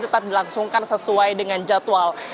tetap dilangsungkan sesuai dengan jadwal